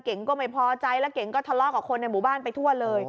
ก็ไม่พอใจแล้วเก่งก็ทะเลาะกับคนในหมู่บ้านไปทั่วเลย